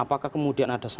apakah kemudian ada saksinya